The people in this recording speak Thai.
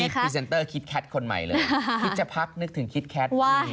พรีเซนเตอร์คิดแคทคนใหม่เลยคิดจะพักนึกถึงคิดแคท